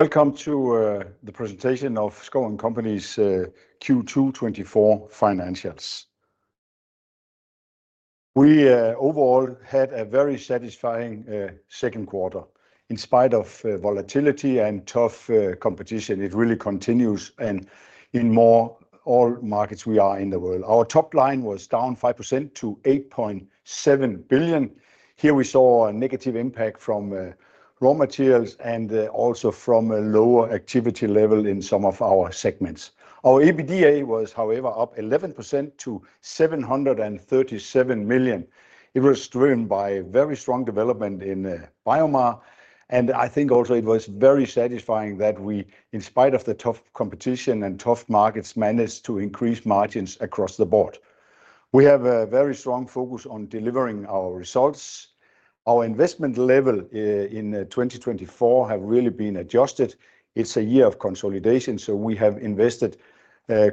Welcome to the presentation of Schouw & Co.'s Q2 2024 financials. We overall had a very satisfying second quarter, in spite of volatility and tough competition. It really continues, and in all markets we are in the world. Our top line was down 5% to 8.7 billion. Here we saw a negative impact from raw materials, and also from a lower activity level in some of our segments. Our EBITDA was, however, up 11% to 737 million. It was driven by very strong development in BioMar, and I think also it was very satisfying that we, in spite of the tough competition and tough markets, managed to increase margins across the board. We have a very strong focus on delivering our results. Our investment level in 2024 have really been adjusted. It's a year of consolidation, so we have invested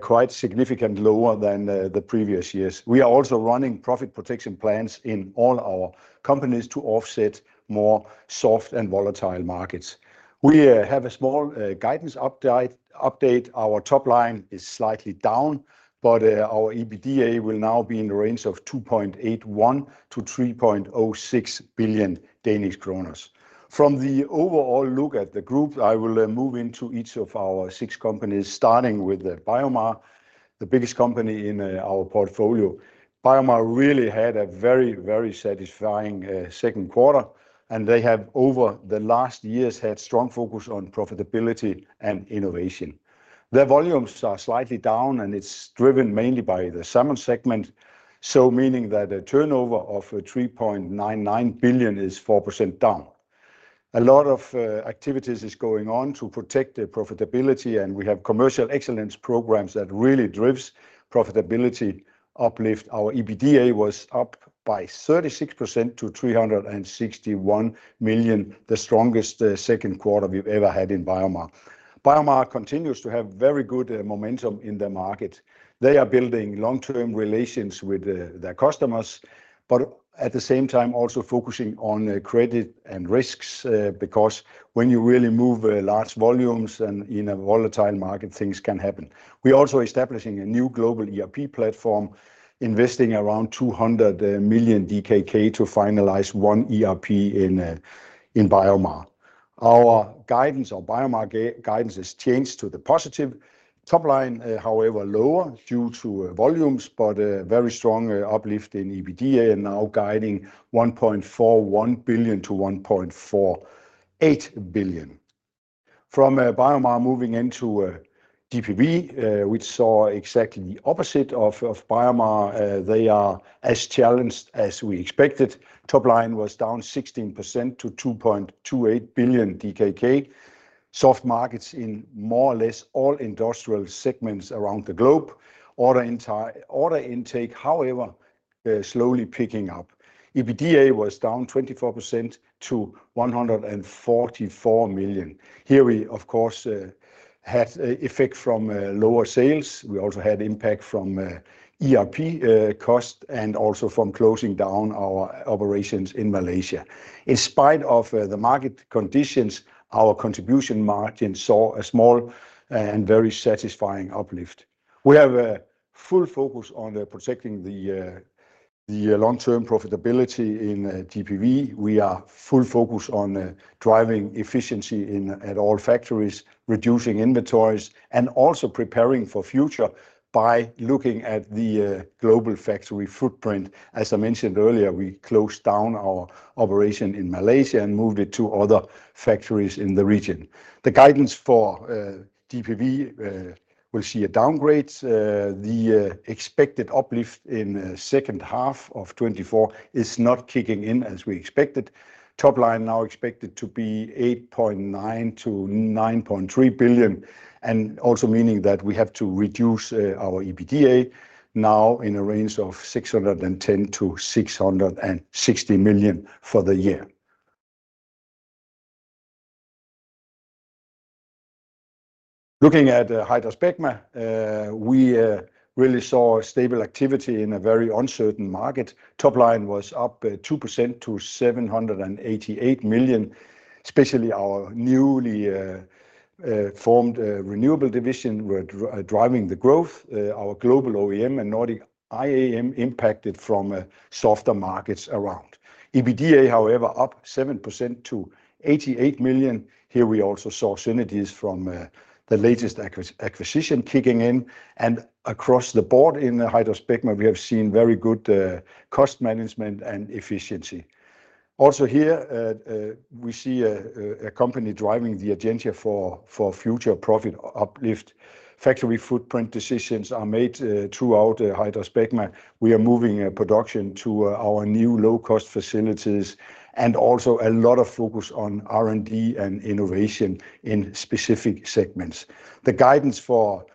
quite significant lower than the previous years. We are also running profit protection plans in all our companies to offset more soft and volatile markets. We have a small guidance update. Our top line is slightly down, but our EBITDA will now be in the range of 2.81 billion-3.06 billion Danish kroner. From the overall look at the group, I will move into each of our six companies, starting with BioMar, the biggest company in our portfolio. BioMar really had a very, very satisfying second quarter, and they have, over the last years, had strong focus on profitability and innovation. Their volumes are slightly down, and it's driven mainly by the salmon segment, so meaning that a turnover of 3.99 billion is 4% down. A lot of activities is going on to protect the profitability, and we have commercial excellence programs that really drives profitability uplift. Our EBITDA was up by 36% to 361 million, the strongest second quarter we've ever had in BioMar. BioMar continues to have very good momentum in the market. They are building long-term relations with their customers, but at the same time, also focusing on credit and risks because when you really move large volumes and in a volatile market, things can happen. We're also establishing a new global ERP platform, investing around 200 million DKK to finalize one ERP in BioMar. Our guidance or BioMar guidance is changed to the positive. Top line, however, lower due to volumes, but a very strong uplift in EBITDA, and now guiding 1.41 billion-1.48 billion. From BioMar, moving into GPV, which saw exactly the opposite of BioMar. They are as challenged as we expected. Top line was down 16% to 2.28 billion DKK. Soft markets in more or less all industrial segments around the globe. Order intake, however, slowly picking up. EBITDA was down 24% to 144 million. Here we, of course, had an effect from lower sales. We also had impact from ERP cost, and also from closing down our operations in Malaysia. In spite of the market conditions, our contribution margin saw a small and very satisfying uplift. We have a full focus on protecting the long-term profitability in GPV. We are full focused on driving efficiency in all factories, reducing inventories, and also preparing for future by looking at the global factory footprint. As I mentioned earlier, we closed down our operation in Malaysia and moved it to other factories in the region. The guidance for GPV will see a downgrade. The expected uplift in second half of 2024 is not kicking in as we expected. Top line now expected to be 8.9 billion-9.3 billion, and also meaning that we have to reduce our EBITDA now in a range of 610 million-660 million for the year. Looking at HydraSpecma, we really saw a stable activity in a very uncertain market. Top line was up 2% to 788 million, especially our newly formed renewable division were driving the growth. Our global OEM and Nordic IAM impacted from softer markets around. EBITDA, however, up 7% to 88 million. Here we also saw synergies from the latest acquisition kicking in, and across the board in the HydraSpecma, we have seen very good cost management and efficiency. Also here, we see a company driving the agenda for future profit uplift. Factory footprint decisions are made throughout HydraSpecma. We are moving production to our new low-cost facilities, and also a lot of focus on R&D and innovation in specific segments. The guidance for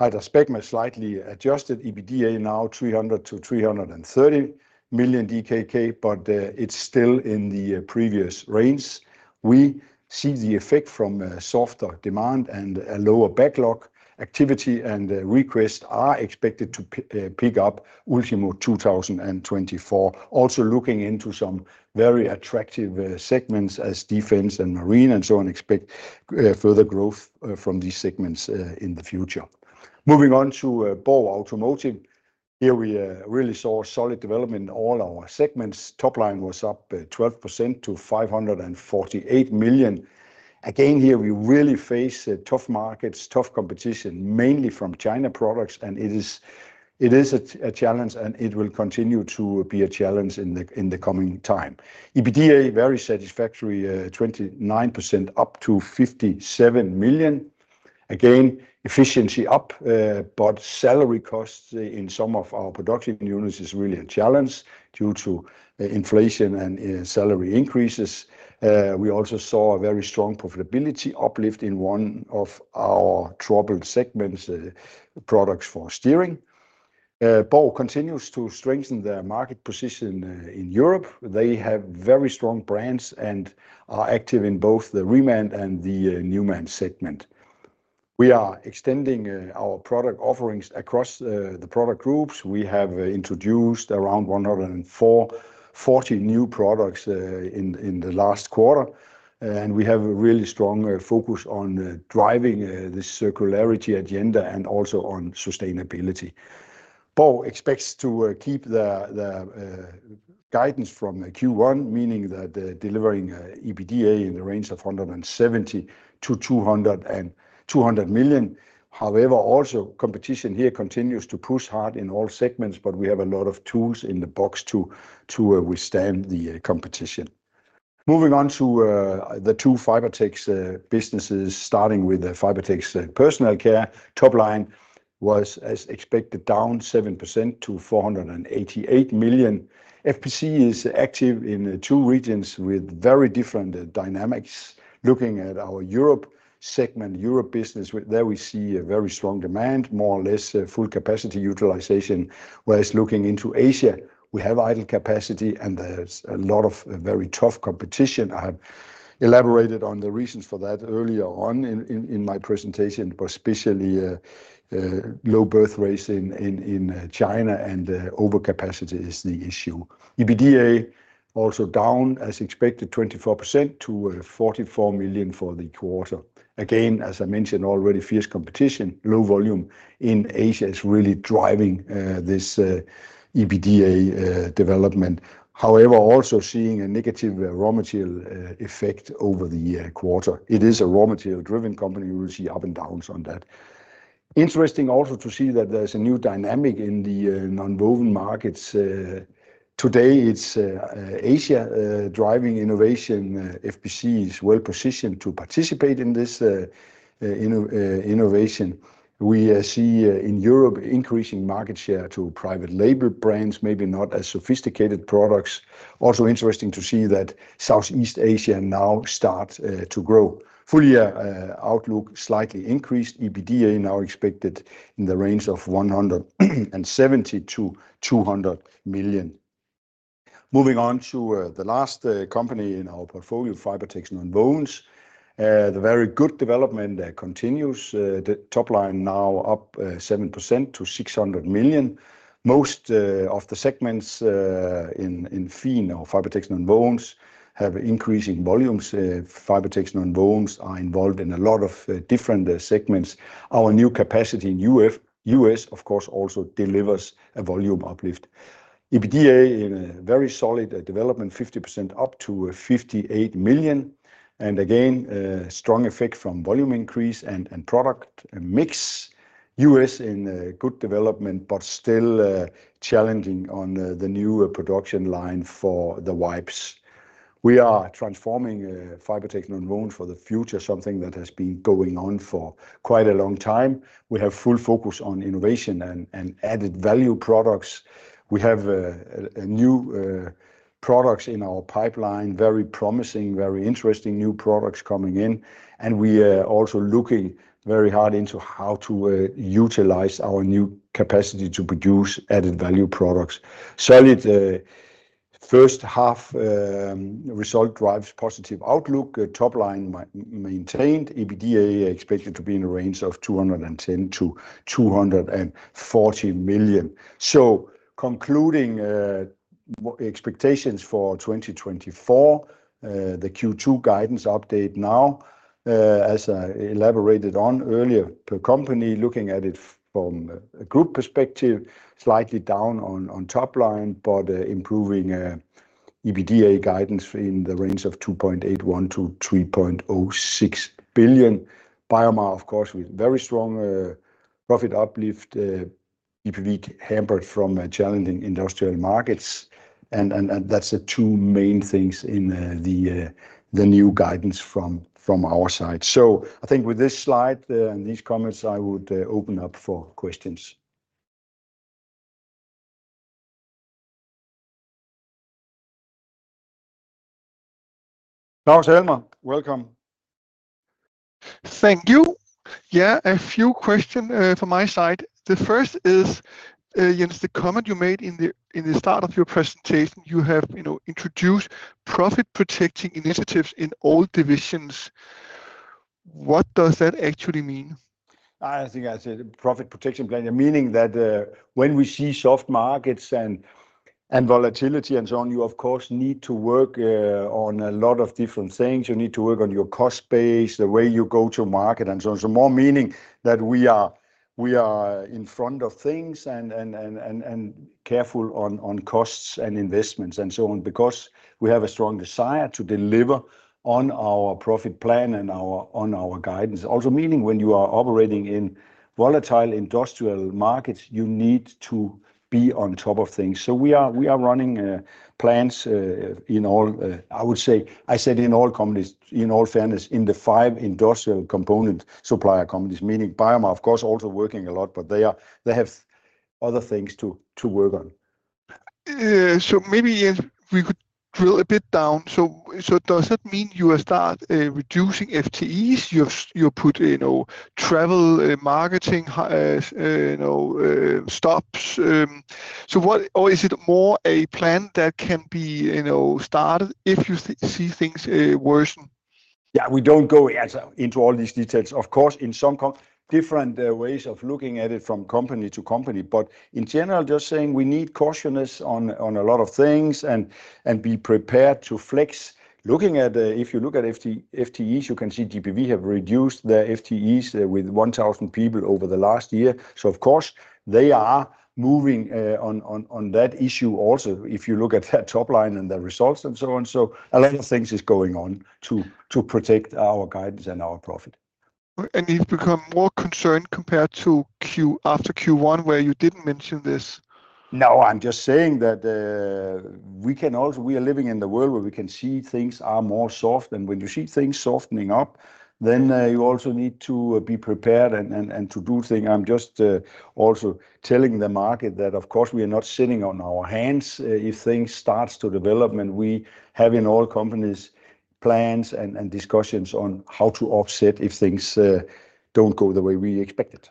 HydraSpecma, slightly adjusted. EBITDA, now 300-330 million DKK, but it's still in the previous range. We see the effect from softer demand and a lower backlog. Activity and requests are expected to pick up ultimo 2024. Also looking into some very attractive segments as defense and marine, and so on, expect further growth from these segments in the future. Moving on to Borg Automotive. Here we really saw a solid development in all our segments. Top line was up 12% to 548 million. Again, here we really face tough markets, tough competition, mainly from China products, and it is a challenge, and it will continue to be a challenge in the coming time. EBITDA, very satisfactory, 29% up to 57 million. Again, efficiency up, but salary costs in some of our production units is really a challenge due to inflation and salary increases. We also saw a very strong profitability uplift in one of our troubled segments, products for steering. Borg Automotive continues to strengthen their market position in Europe. They have very strong brands and are active in both the reman and the Newman segment. We are extending our product offerings across the product groups. We have introduced around 140 new products in the last quarter, and we have a really strong focus on driving the circularity agenda and also on sustainability. Borg expects to keep the guidance from Q1, meaning that they're delivering EBITDA in the range of 170 million-200 million. However, also, competition here continues to push hard in all segments, but we have a lot of tools in the box to withstand the competition. Moving on to the two Fibertex businesses, starting with the Fibertex Personal Care. Top line was, as expected, down 7% to 488 million. FPC is active in two regions with very different dynamics. Looking at our Europe segment, Europe business, there we see a very strong demand, more or less a full capacity utilization, whereas looking into Asia, we have idle capacity, and there's a lot of very tough competition. I have elaborated on the reasons for that earlier on in my presentation, but especially low birth rates in China and overcapacity is the issue. EBITDA also down, as expected, 24% to 44 million for the quarter. Again, as I mentioned already, fierce competition, low volume in Asia is really driving this EBITDA development. However, also seeing a negative raw material effect over the quarter. It is a raw material-driven company. We will see up and downs on that. Interesting also to see that there's a new dynamic in the nonwoven markets. Today, it's Asia driving innovation. FPC is well positioned to participate in this innovation. We see in Europe, increasing market share to private label brands, maybe not as sophisticated products. Also interesting to see that Southeast Asia now starts to grow. Full year outlook, slightly increased. EBITDA now expected in the range of 170 million-200 million. Moving on to the last company in our portfolio, Fibertex Nonwovens. The very good development continues. The top line now up 7% to 600 million. Most of the segments in FIN or Fibertex Nonwovens have increasing volumes. Fibertex Nonwovens are involved in a lot of different segments. Our new capacity in US, of course, also delivers a volume uplift. EBITDA in a very solid development, 50% up to 58 million, and again, a strong effect from volume increase and product mix. US in a good development, but still challenging on the new production line for the wipes. We are transforming Fibertex Nonwovens for the future, something that has been going on for quite a long time. We have full focus on innovation and added value products. We have a new products in our pipeline. Very promising, very interesting new products coming in, and we are also looking very hard into how to utilize our new capacity to produce added-value products. Solid first half result drives positive outlook. Top line maintained. EBITDA expected to be in a range of 210 million-240 million. So, concluding with expectations for 2024, the Q2 guidance update now, as I elaborated on earlier, per company, looking at it from a group perspective, slightly down on top line, but improving EBITDA guidance in the range of 2.81 billion-3.06 billion. BioMar, of course, with very strong profit uplift, GPV hampered from challenging industrial markets, and that's the two main things in the new guidance from our side. So I think with this slide and these comments, I would open up for questions. Lars Heindorff, welcome. Thank you. Yeah, a few question from my side. The first is, Jens, the comment you made in the start of your presentation, you have, you know, introduced profit-protecting initiatives in all divisions. What does that actually mean? I think I said profit protection plan, meaning that when we see soft markets and volatility and so on, you of course need to work on a lot of different things. You need to work on your cost base, the way you go to market, and so more meaning that we are in front of things and careful on costs and investments and so on, because we have a strong desire to deliver on our profit plan and our guidance. Also, meaning when you are operating in volatile industrial markets, you need to be on top of things. So we are running plans in all. I said in all companies, in all fairness, in the five industrial component supplier companies, meaning BioMar, of course, also working a lot, but they have other things to work on. So maybe if we could drill a bit down. So does that mean you will start reducing FTEs? You've put, you know, travel, marketing, you know, stops... So what or is it more a plan that can be, you know, started if you see things worsen? Yeah, we don't go into all these details. Of course, in some different ways of looking at it from company to company, but in general, just saying we need cautiousness on a lot of things and be prepared to flex. Looking at the... If you look at FTEs, you can see GPV have reduced their FTEs with 1,000 people over the last year. So of course, they are moving on that issue also, if you look at that top line and the results and so on. So a lot of things is going on to protect our guidance and our profit. You've become more concerned compared to Q2 after Q1, where you didn't mention this? No, I'm just saying that, we can also... We are living in the world where we can see things are more soft, and when you see things softening up, then, you also need to be prepared and to do things. I'm just also telling the market that, of course, we are not sitting on our hands. If things starts to development, we have in all companies plans and discussions on how to offset if things don't go the way we expected.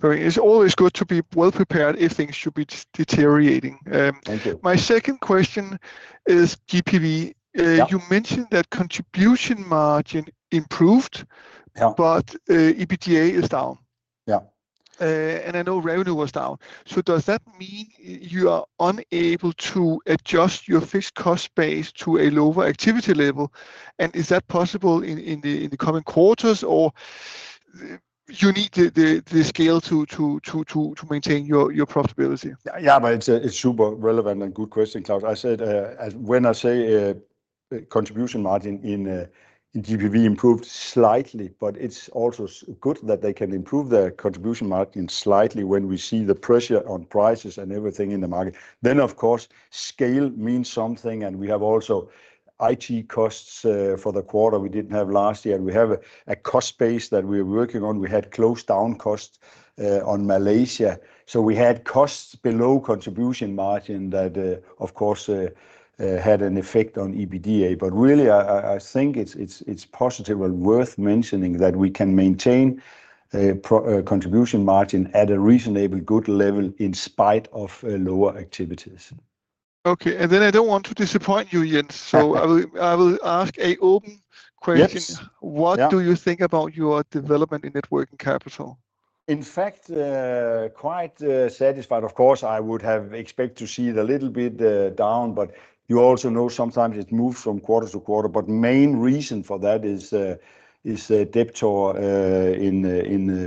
Very. It's always good to be well-prepared if things should be just deteriorating. Thank you. My second question is GPV. Yeah. You mentioned that contribution margin improved- Yeah... but, EBITDA is down. Yeah. I know revenue was down. So does that mean you are unable to adjust your fixed cost base to a lower activity level? Is that possible in the coming quarters, or you need the scale to maintain your profitability? Yeah, but it's super relevant and good question, Lars. I said, as when I say, contribution margin in GPV improved slightly, but it's also good that they can improve their contribution margin slightly when we see the pressure on prices and everything in the market. Then, of course, scale means something, and we have also IT costs for the quarter we didn't have last year, and we have a cost base that we're working on. We had closed down costs on Malaysia. So we had costs below contribution margin that, of course, had an effect on EBITDA. But really, I think it's positive and worth mentioning that we can maintain a contribution margin at a reasonably good level in spite of lower activities. Okay, and then I don't want to disappoint you, Jens. So I will, I will ask an open question. Yes. Yeah. What do you think about your development in net working capital? In fact, quite satisfied. Of course, I would have expected to see it a little bit down, but you also know sometimes it moves from quarter to quarter. But main reason for that is debt in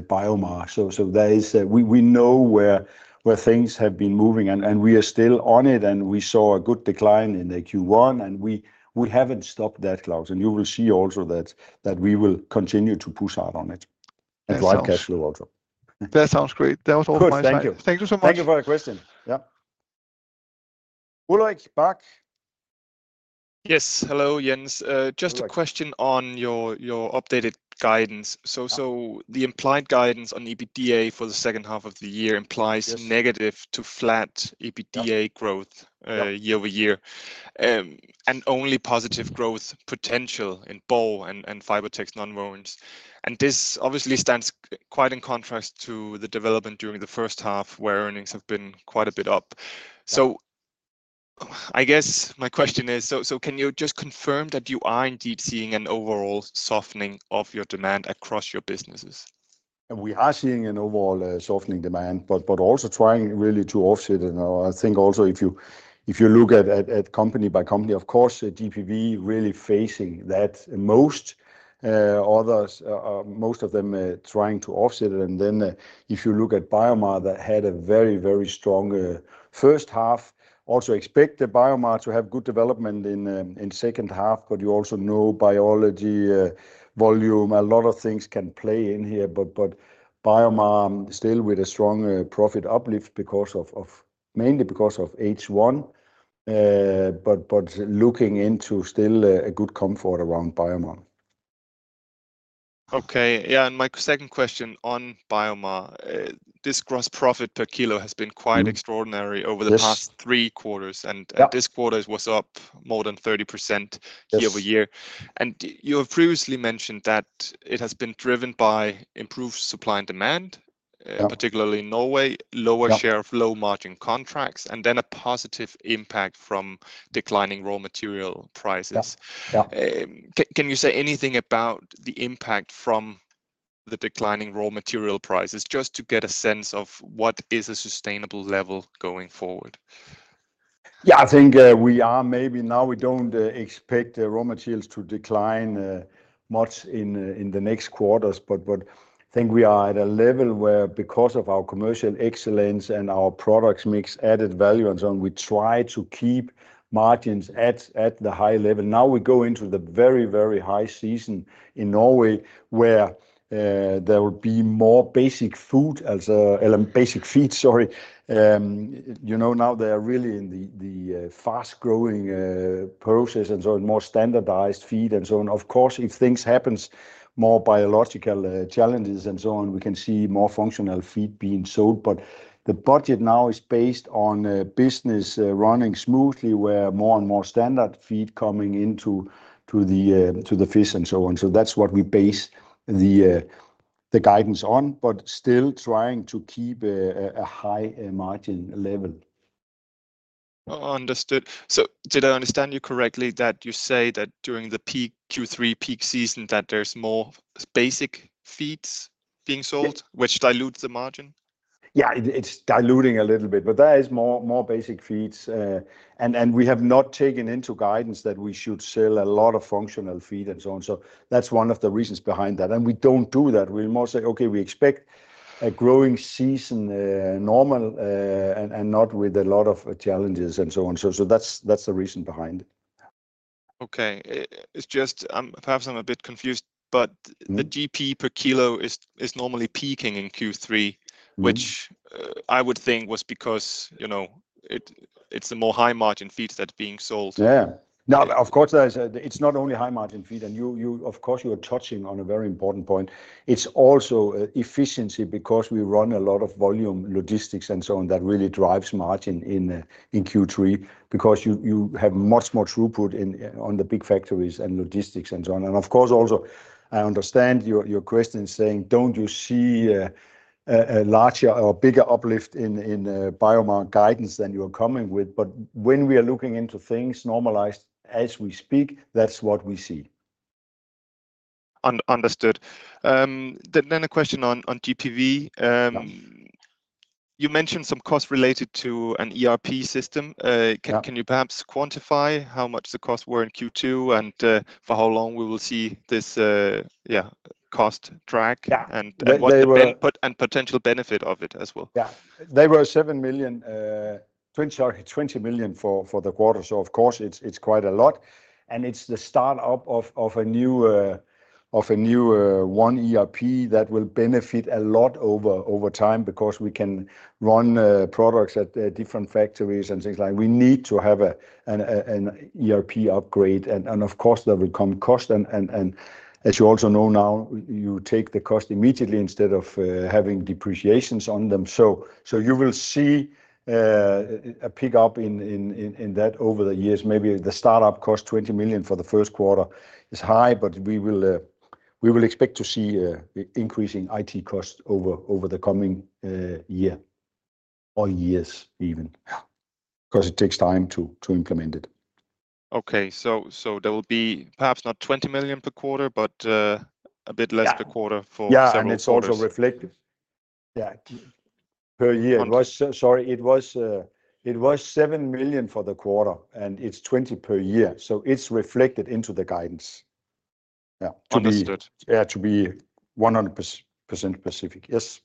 BioMar. So there is a... We know where things have been moving, and we are still on it, and we saw a good decline in the Q1, and we haven't stopped that, Lars, and you will see also that we will continue to push hard on it- That sounds- And wide cash flow also. That sounds great. That was all my time. Good. Thank you. Thank you so much. Thank you for the question. Yeah. Ulrik Bak. Yes. Hello, Jens. Ulrik. Just a question on your updated guidance. Yeah. So, the implied guidance on EBITDA for the second half of the year implies- Yes... negative to flat EBITDA growth- Yeah year-over-year. And only positive growth potential in Borg and Fibertex Nonwovens. And this obviously stands quite in contrast to the development during the first half, where earnings have been quite a bit up. So I guess my question is, so can you just confirm that you are indeed seeing an overall softening of your demand across your businesses? We are seeing an overall softening demand, but, but also trying really to offset it. I think also if you, if you look at, at, at company by company, of course, the GPV really facing that most, others, most of them are trying to offset it. And then if you look at BioMar, that had a very, very strong first half. Also expect the BioMar to have good development in, in second half, but you also know biology, volume, a lot of things can play in here. But, but BioMar still with a strong profit uplift because of, of- mainly because of H1. But, but looking into still, a good comfort around BioMar. Okay. Yeah, and my second question on BioMar, this gross profit per kilo has been quite- Mm-hmm ...extraordinary over the past- Yes... three quarters, and- Yeah... and this quarter was up more than 30%. Yes... year-over-year. And you have previously mentioned that it has been driven by improved supply and demand- Yeah... particularly in Norway, lower- Yeah... share of low-margin contracts, and then a positive impact from declining raw material prices. Yeah. Yeah. Can you say anything about the impact from the declining raw material prices, just to get a sense of what is a sustainable level going forward? Yeah, I think we are maybe now we don't expect the raw materials to decline much in the next quarters. But I think we are at a level where, because of our commercial excellence and our products mix added value and so on, we try to keep margins at the high level. Now we go into the very, very high season in Norway, where there will be more basic food as basic feed, sorry. You know, now they are really in the fast-growing process and so more standardized feed and so on. Of course, if things happens, more biological challenges and so on, we can see more functional feed being sold. But the budget now is based on business running smoothly, where more and more standard feed coming into the fish and so on. So that's what we base the guidance on, but still trying to keep a high margin level. Oh, understood. So did I understand you correctly, that you say that during the peak Q3 peak season, that there's more basic feeds being sold- Yeah... which dilutes the margin? Yeah, it's diluting a little bit, but there is more basic feeds. And we have not taken into guidance that we should sell a lot of functional feed and so on. So that's one of the reasons behind that. And we don't do that. We're more say, "Okay, we expect a growing season, normal, and not with a lot of challenges," and so on. So that's the reason behind it. Okay. It's just, perhaps I'm a bit confused, but- Mm... the GP per kilo is normally peaking in Q3. Mm... which, I would think was because, you know, it, it's the more high-margin feeds that are being sold. Yeah. Now, of course, there's, it's not only high-margin feed, and you of course, you are touching on a very important point. It's also efficiency because we run a lot of volume, logistics, and so on, that really drives margin in in Q3. Because you have much more throughput in on the big factories and logistics and so on. And of course, also, I understand your question is saying, "Don't you see a larger or bigger uplift in BioMar guidance than you're coming with?" But when we are looking into things normalized as we speak, that's what we see. Understood. Then a question on GPV. Yeah. You mentioned some costs related to an ERP system. Yeah. Can you perhaps quantify how much the costs were in Q2, and for how long we will see this cost track- Yeah, they were- And what the potential benefit of it as well? Yeah. They were 20 million for the quarter. So of course, it's quite a lot, and it's the startup of a new ERP that will benefit a lot over time because we can run products at different factories and things like... We need to have an ERP upgrade, and of course, there will come cost. And as you also know now, you take the cost immediately instead of having depreciations on them. So you will see a pick-up in that over the years. Maybe the startup cost 20 million for the first quarter is high, but we will expect to see increasing IT costs over the coming year or years even. Yeah. Because it takes time to implement it. Okay. So there will be perhaps not 20 million per quarter, but a bit less- Yeah... per quarter for several quarters. Yeah, and it's also reflected. Yeah. Per year. Per year. Sorry, it was, it was 7 million for the quarter, and it's 20 million per year, so it's reflected into the guidance. Yeah. Understood. Yeah, to be 100% specific. Yes.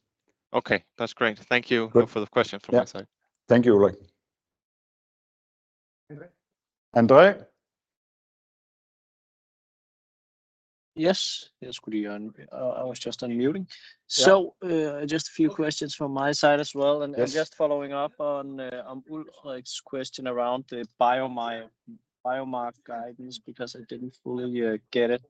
Okay, that's great. Good. Thank you for the question from my side. Yeah. Thank you, Ulrik. Andre? Andre? Yes. Yes, good evening. I was just unmuting. Yeah. Just a few questions from my side as well. Yes. Just following up on Ulrik's question around the BioMar guidance, because I didn't fully get it.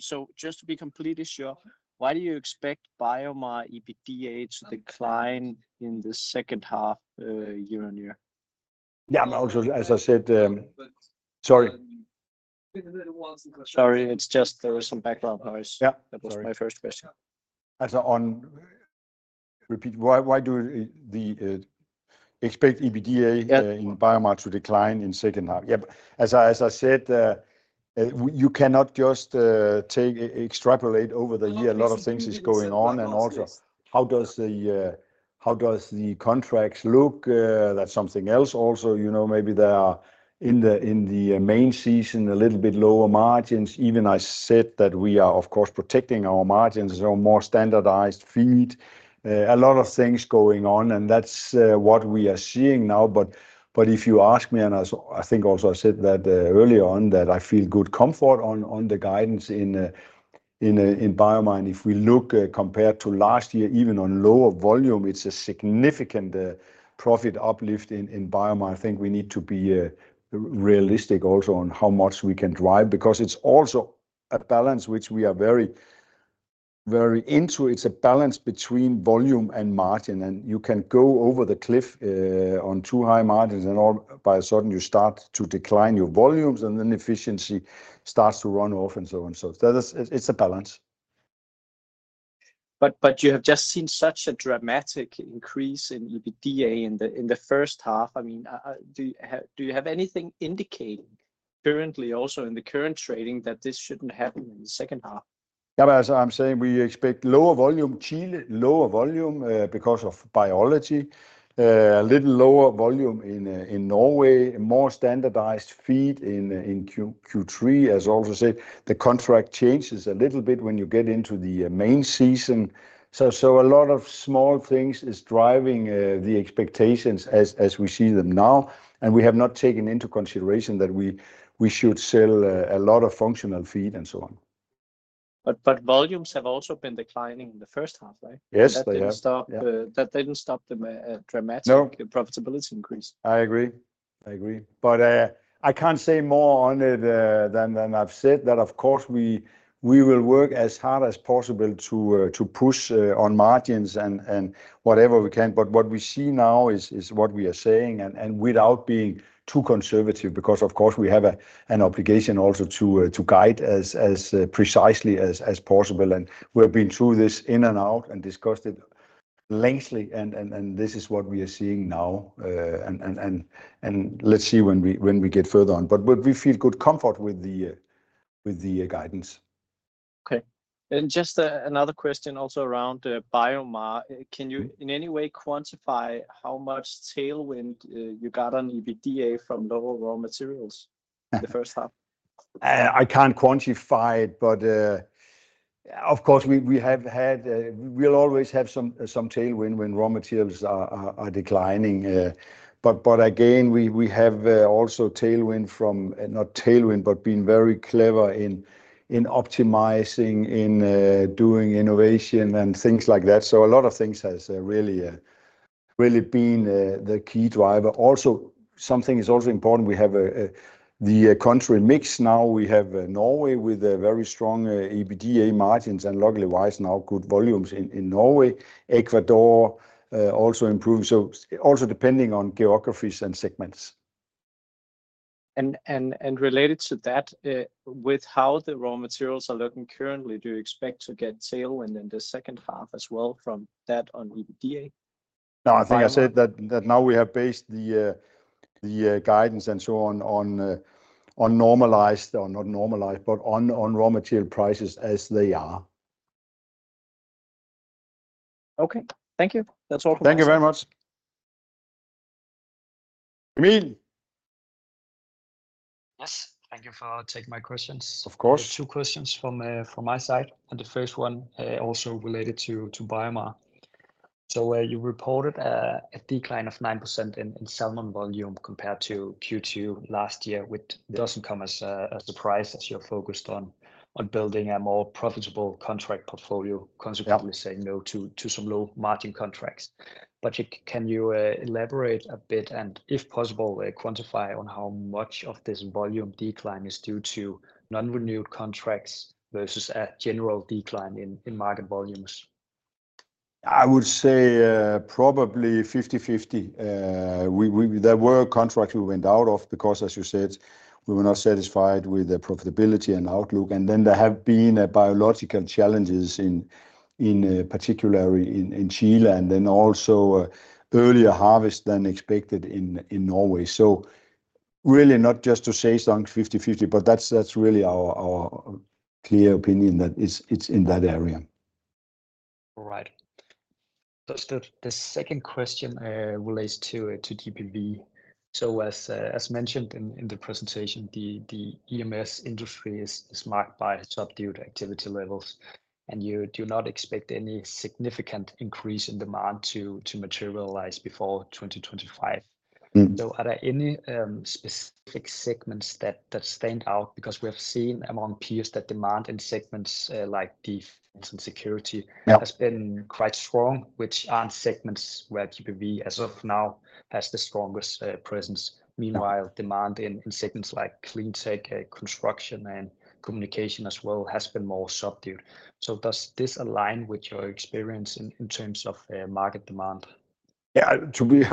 So just to be completely sure, why do you expect BioMar EBITDA to decline in the second half, year on year? Yeah, also, as I said... Sorry. Sorry, it's just there was some background noise. Yeah, sorry. That was my first question. As on... Repeat, why, why do the, expect EBITDA- Yeah... in BioMar to decline in second half? Yeah, but as I, as I said, you cannot just take extrapolate over the year. A lot of things is going on. And also, how does the contracts look? That's something else also. You know, maybe they are in the main season, a little bit lower margins. Even I said that we are, of course, protecting our margins, so more standardized feed. A lot of things going on, and that's what we are seeing now. But if you ask me, and I think also I said that earlier on, that I feel good comfort on the guidance in BioMar. And if we look compared to last year, even on lower volume, it's a significant profit uplift in BioMar. I think we need to be realistic also on how much we can drive, because it's also a balance which we are very, very into. It's a balance between volume and margin, and you can go over the cliff on too high margins, and all of a sudden you start to decline your volumes, and then efficiency starts to run off and so on. So that is, it's a balance. But you have just seen such a dramatic increase in EBITDA in the first half. I mean, do you have anything indicating currently also in the current trading that this shouldn't happen in the second half? Yeah, but as I'm saying, we expect lower volume Chile, lower volume, because of biology. A little lower volume in, in Norway, more standardized feed in, in Q3. As I also said, the contract changes a little bit when you get into the, main season. So, so a lot of small things is driving, the expectations as, as we see them now, and we have not taken into consideration that we, we should sell, a lot of functional feed, and so on. But volumes have also been declining in the first half, right? Yes, they have. That didn't stop... Yeah. That didn't stop the dramatic- No... profitability increase. I agree. I agree. But, I can't say more on it than I've said. That, of course, we will work as hard as possible to push on margins and whatever we can. But what we see now is what we are saying, and without being too conservative, because, of course, we have an obligation also to guide as precisely as possible. And we have been through this in and out and discussed it lengthily, and this is what we are seeing now. Let's see when we get further on. But we feel good comfort with the guidance. Okay. And just, another question also around BioMar. Can you in any way quantify how much tailwind you got on EBITDA from lower raw materials in the first half? I can't quantify it, but, of course, we, we have had... We'll always have some tailwind when raw materials are declining. But again, we have also tailwind from... Not tailwind, but being very clever in optimizing, in doing innovation and things like that. So a lot of things has really really been the key driver. Also, something is also important, we have the country mix now. We have Norway with a very strong EBITDA margins, and luckily-wise, now good volumes in Norway. Ecuador also improved, so also depending on geographies and segments. Related to that, with how the raw materials are looking currently, do you expect to get tailwind in the second half as well from that on EBITDA? No, I think I said that- BioMar ...that now we have based the guidance and so on on normalized, or not normalized, but on raw material prices as they are. Okay. Thank you. That's all from my side. Thank you very much. Emil? Yes, thank you for taking my questions. Of course. Two questions from my side, and the first one also related to BioMar. So, you reported a decline of 9% in salmon volume compared to Q2 last year, which doesn't come as a surprise, as you're focused on building a more profitable contract portfolio- Yeah... consequently saying no to some low-margin contracts. But can you elaborate a bit, and if possible, quantify on how much of this volume decline is due to non-renewed contracts versus a general decline in market volumes? I would say, probably 50/50. There were contracts we went out of, because, as you said, we were not satisfied with the profitability and outlook, and then there have been, biological challenges in particular in Chile, and then also, earlier harvest than expected in Norway. So really, not just to say something 50/50, but that's, that's really our, our clear opinion, that it's, it's in that area. All right. So the second question relates to GPV. So as mentioned in the presentation, the EMS industry is marked by subdued activity levels, and you do not expect any significant increase in demand to materialize before 2025. Mm. So are there any specific segments that stand out? Because we have seen among peers that demand in segments like defense and security- Yeah... has been quite strong, which aren't segments where GPV, as of now, has the strongest presence. Yeah. Meanwhile, demand in segments like clean tech, construction, and communication as well has been more subdued. So does this align with your experience in terms of market demand? Yeah, to be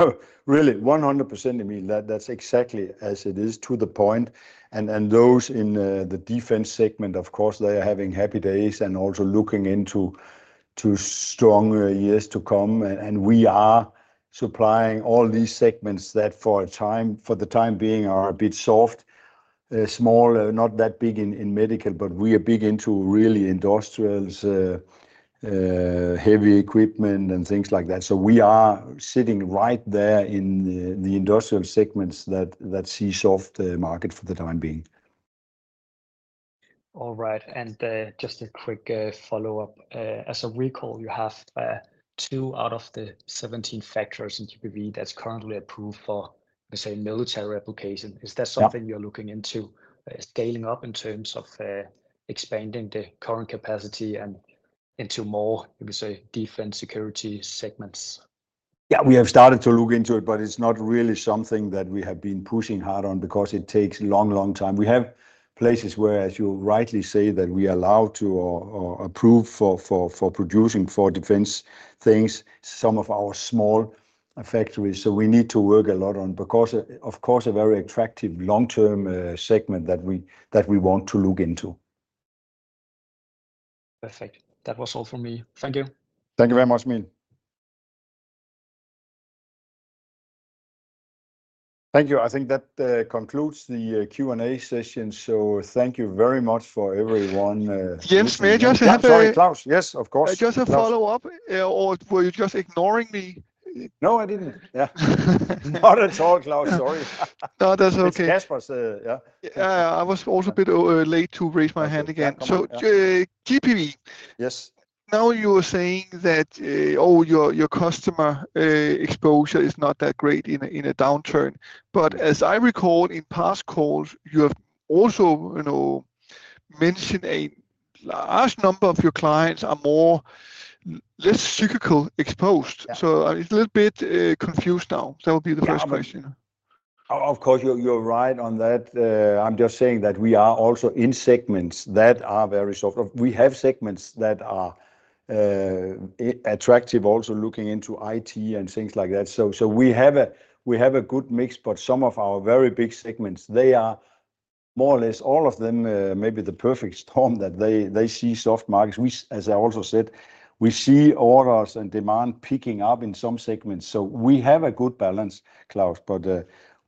really 100%, Emil. That's exactly as it is, to the point. And those in the defense segment, of course, they are having happy days and also looking forward to stronger years to come. And we are supplying all these segments that, for the time being, are a bit soft. Small, not that big in medical, but we are big into really industrials, heavy equipment and things like that. So we are sitting right there in the industrial segments that see soft market for the time being. All right. And, just a quick follow-up. As I recall, you have 2 out of the 17 factors in GPV that's currently approved for, let's say, military application. Yeah. Is that something you're looking into, scaling up in terms of, expanding the current capacity and into more, we could say, defense, security segments? Yeah, we have started to look into it, but it's not really something that we have been pushing hard on, because it takes a long, long time. We have places where, as you rightly say, that we are allowed to, or approved for producing for defense things. Some of our a factory, so we need to work a lot on, because, of course, a very attractive long-term segment that we want to look into. Perfect. That was all from me. Thank you. Thank you very much, Emil. Thank you. I think that concludes the Q&A session, so thank you very much for everyone. Jens, may I just have a- Sorry, Lars. Yes, of course. Just a follow-up, or were you just ignoring me? No, I didn't. Yeah. Not at all, Lars, sorry. No, that's okay. It's Claus, yeah. Yeah, I was also a bit, late to raise my hand again. Yeah. Come on. GPV- Yes. Now, you are saying that your customer exposure is not that great in a downturn. But as I recall, in past calls, you have also, you know, mentioned a large number of your clients are more or less cyclical exposed. Yeah. So I'm a little bit confused now. That would be the first question. Yeah, of course, you're right on that. I'm just saying that we are also in segments that are very soft. We have segments that are attractive, also looking into IT and things like that. So we have a good mix, but some of our very big segments, they are more or less, all of them, maybe the perfect storm, that they see soft markets. We, as I also said, we see orders and demand picking up in some segments, so we have a good balance, Lars, but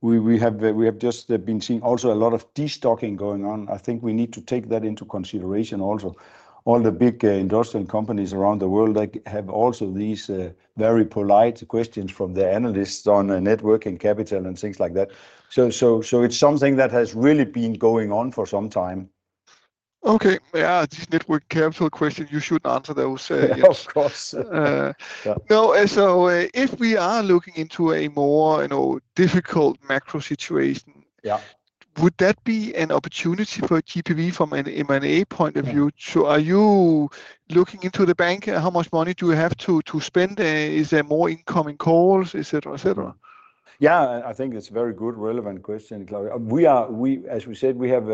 we have just been seeing also a lot of de-stocking going on. I think we need to take that into consideration also. All the big industrial companies around the world, like, have also these very polite questions from their analysts on the net working capital and things like that. So, it's something that has really been going on for some time. Okay. Yeah, these net working capital questions, you should answer those. Of course. Uh- Yeah. No, so if we are looking into a more, you know, difficult macro situation- Yeah... would that be an opportunity for GPV from an M&A point of view? Yeah. Are you looking into the bank? How much money do you have to spend? Is there more incoming calls, et cetera, et cetera? Yeah, I think it's a very good, relevant question, Klaus. We are—as we said, we have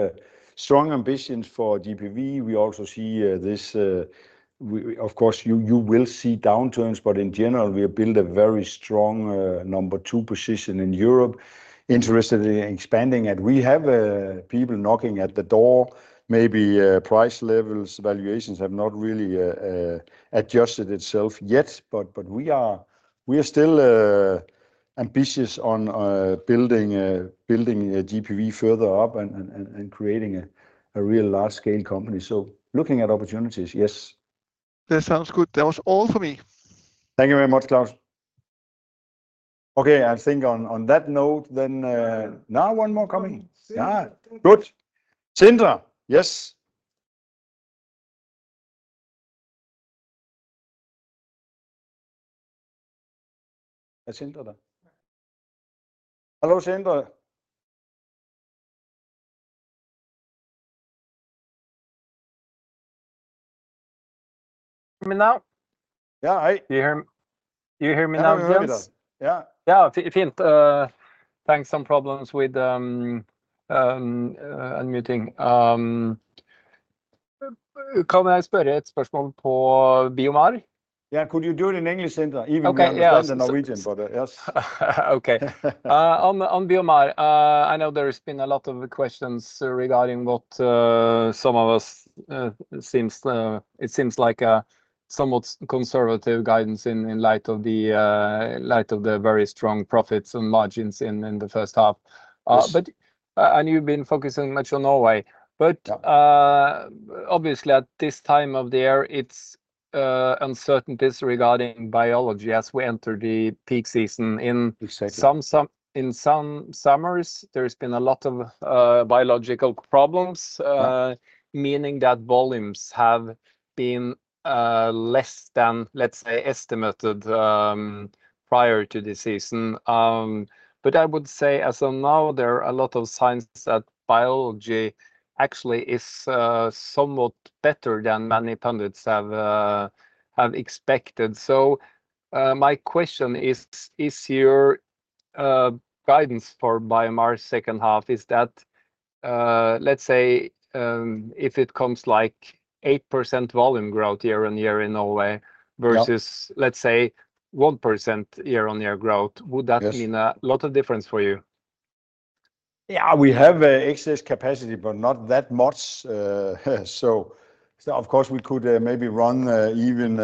strong ambitions for GPV. We also see this. Of course, you will see downturns, but in general, we have built a very strong number two position in Europe, interested in expanding it. We have people knocking at the door. Maybe price levels, valuations have not really adjusted itself yet, but we are still ambitious on building a GPV further up and creating a real large-scale company. So looking at opportunities, yes. That sounds good. That was all for me. Thank you very much, Lars. Okay, I think on that note, then. No, one more coming. Ah, good. Sindre, yes. Sindre. Hello, Sindre. Me now? Yeah, hi. Do you hear me? Do you hear me now, Jens? Yeah, we hear you. Yeah. Yeah, thanks. Some problems with unmuting. Can I ask a question on BioMar? Yeah, could you do it in English, Sindre, even- Okay, yeah... though you're a Norwegian brother, yes. Okay. On BioMar, I know there's been a lot of questions regarding what it seems like a somewhat conservative guidance in light of the very strong profits and margins in the first half. Yes. You've been focusing much on Norway. Yeah. Obviously, at this time of the year, it's uncertainties regarding biology as we enter the peak season. Exactly. In some summers, there's been a lot of biological problems. Yeah... meaning that volumes have been less than, let's say, estimated prior to this season. But I would say, as of now, there are a lot of signs that biology actually is somewhat better than many pundits have expected. So, my question is, is your guidance for BioMar's second half, is that, let's say, if it comes like 8% volume growth year-on-year in Norway- Yeah... versus, let's say, 1% year-on-year growth- Yes... would that mean a lot of difference for you? Yeah, we have excess capacity, but not that much. So of course, we could maybe run even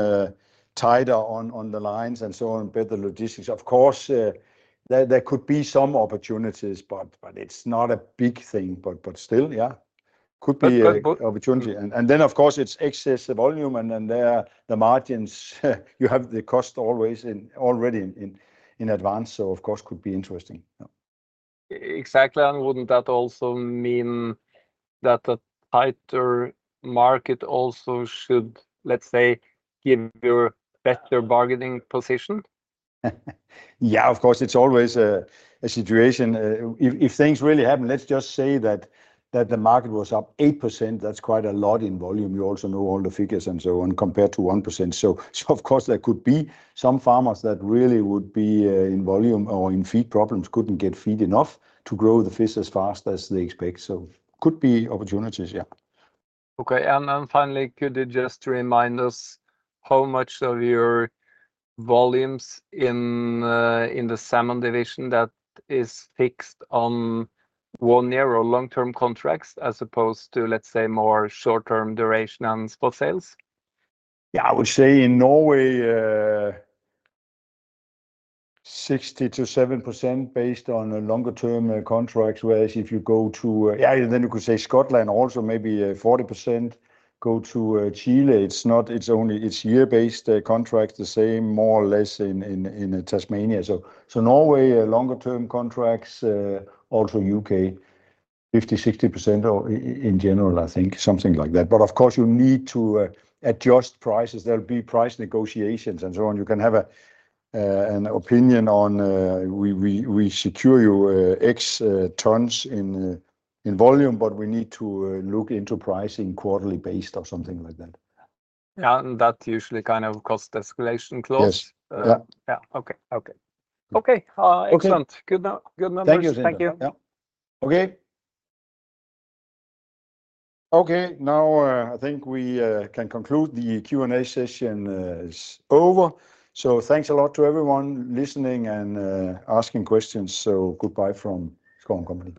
tighter on the lines and so on, better logistics. Of course, there could be some opportunities, but it's not a big thing. But still, yeah, could be- That's good... an opportunity. And then, of course, it's excess volume, and then there, the margins, you have the cost always already in advance, so of course could be interesting. Yeah. Exactly, and wouldn't that also mean that the tighter market also should, let's say, give you a better bargaining position? Yeah, of course, it's always a situation. If things really happen, let's just say that the market was up 8%, that's quite a lot in volume. You also know all the figures and so on, compared to 1%. So of course, there could be some farmers that really would be in volume or in feed problems, couldn't get feed enough to grow the fish as fast as they expect. So could be opportunities, yeah. Okay, and then finally, could you just remind us how much of your volumes in, in the salmon division that is fixed on one-year or long-term contracts, as opposed to, let's say, more short-term duration on spot sales? Yeah, I would say in Norway, 60%-70% based on longer term contracts, whereas if you go to... Yeah, then you could say Scotland also, maybe 40% go to Chile. It's only year-based contracts, the same more or less in Tasmania. So Norway longer term contracts also UK, 50%-60% or in general, I think, something like that. But of course, you need to adjust prices. There'll be price negotiations and so on. You can have an opinion on we secure you x tons in volume, but we need to look into pricing quarterly based or something like that. Yeah, and that usually kind of cost escalation clause. Yes. Yeah. Yeah, okay, okay. Okay... excellent. Good numbers. Thank you, Sindre. Thank you. Yeah. Okay. Okay, now, I think we can conclude the Q&A session is over. So thanks a lot to everyone listening and asking questions, so goodbye from Schouw & Co.